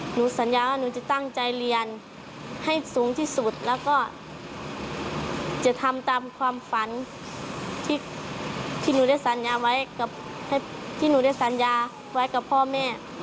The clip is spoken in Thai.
หนูสัญญาว่าหนูจะตั้งใจเรียนให้สูงที่สุดแล้วก็จะทำตามความฝันที่หนูได้สัญญาไว้กับพ่อแม่